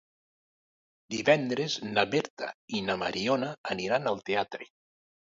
Divendres na Berta i na Mariona aniran al teatre.